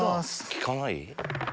効かない？